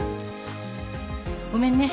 ごめんね。